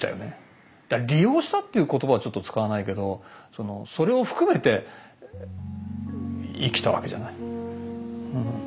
利用したっていう言葉はちょっと使わないけどそれを含めて生きたわけじゃない。